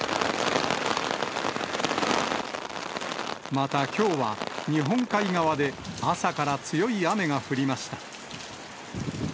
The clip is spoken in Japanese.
またきょうは、日本海側で朝から強い雨が降りました。